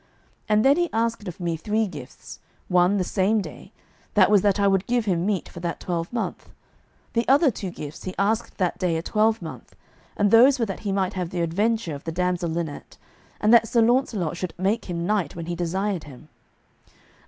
And then he asked of me three gifts, one the same day, that was that I would give him meat for that twelvemonth. The other two gifts he asked that day a twelvemonth, and those were that he might have the adventure of the damsel Linet, and that Sir Launcelot should make him knight when he desired him.